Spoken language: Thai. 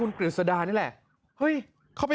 นั่นแหละครับ